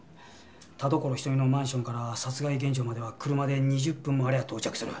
田所瞳のマンションから殺害現場までは車で２０分もありゃ到着する。